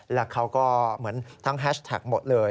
แล้วเขาก็ดูทั้งแฮชแท็กชื่อหมดเลย